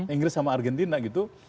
inggris sama argentina gitu